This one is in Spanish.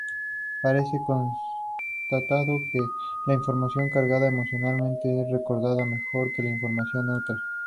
Parece constatado que la información cargada emocionalmente es recordada mejor que la información neutra.